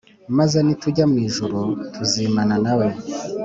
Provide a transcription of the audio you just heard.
Maze nitujya mu ijuru tuzimana nawe